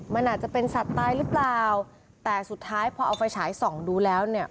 มันอาจจะเป็นสัตว์ตายหรือเปล่าแต่สุดท้ายพอเอาไฟฉายส่องดูแล้วเนี่ย